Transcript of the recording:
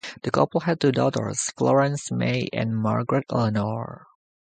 The couple had two daughters, Florence May and Margaret Eleanor.